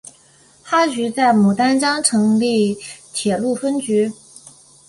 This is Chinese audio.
哈局在牡丹江成立铁路分局。